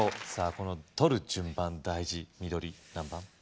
この取る順番大事緑何番？